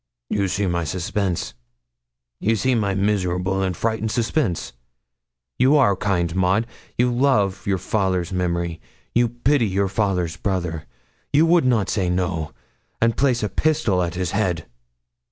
'You see my suspense you see my miserable and frightful suspense. You are kind, Maud; you love your father's memory; your pity your father's brother; you would not say no, and place a pistol at his head?'